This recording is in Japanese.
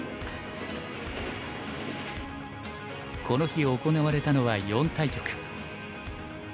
この日行われたのは４対局。